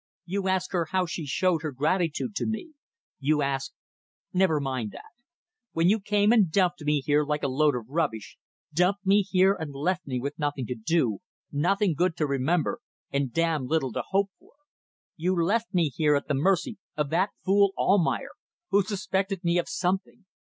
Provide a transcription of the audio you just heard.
You ask her how she showed her gratitude to me. You ask ... Never mind that. Well, you came and dumped me here like a load of rubbish; dumped me here and left me with nothing to do nothing good to remember and damn little to hope for. You left me here at the mercy of that fool, Almayer, who suspected me of something.